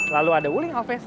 lalu ada wuling alves